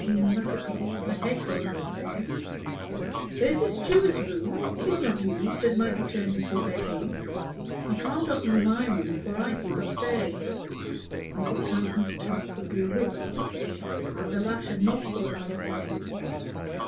"That's a pity. I hate going up stairs." "There is the steward's room: it is not used, and might be turned into a bedroom. I can't offer you my room, for I sleep up stairs." (Mrs. Transome's tongue could be a whip upon occasion, but the lash had not fallen on a sensitive spot.)